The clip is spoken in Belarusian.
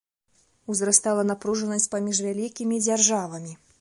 Узрастала напружанасць і паміж вялікімі дзяржавамі.